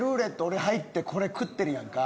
俺入ってこれ食ってるやんか。